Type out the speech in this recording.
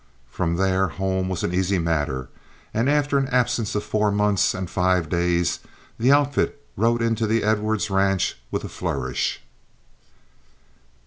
From there home was an easy matter, and after an absence of four months and five days the outfit rode into the Edwards ranch with a flourish.